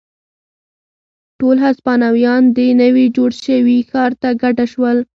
ټول هسپانویان دې نوي جوړ شوي ښار ته کډه شول.